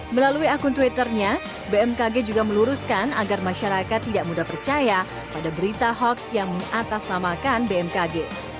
melalui akun twitternya bmkg juga meluruskan agar masyarakat tidak mudah percaya pada berita hoax yang mengatasnamakan bmkg